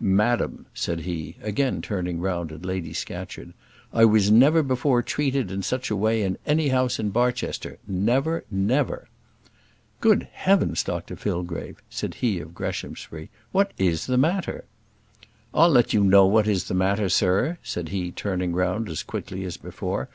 "Madam," said he, again turning round at Lady Scatcherd, "I was never before treated in such a way in any house in Barchester never never." "Good heavens, Dr Fillgrave!" said he of Greshamsbury, "what is the matter?" "I'll let you know what is the matter, sir," said he, turning round again as quickly as before.